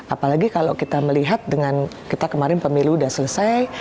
apalagi kalau kita melihat dengan kita kemarin pemilu sudah selesai